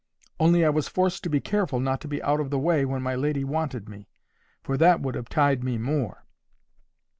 Only I was forced to be careful not to be out of the way when my lady wanted me, for that would have tied me more.